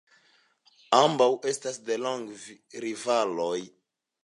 Ambaŭ estas delonge rivaloj.